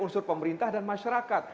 unsur pemerintah dan masyarakat